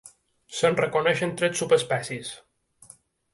Se'n reconeixen tres subespècies.